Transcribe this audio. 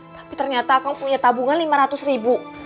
tapi ternyata kamu punya tabungan lima ratus ribu